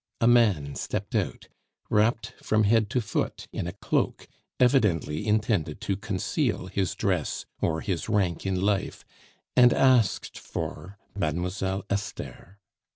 A man stepped out, wrapped from head to foot in a cloak evidently intended to conceal his dress or his rank in life, and asked for Mademoiselle Esther.